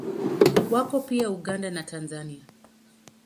Wako pia Uganda na Tanzania.